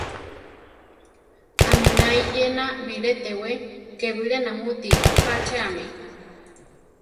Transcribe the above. Aminá éyena bilé tewé ké bilé namúti apácheame.